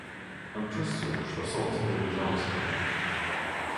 Он чувствовал, что солнце приближалось к нему.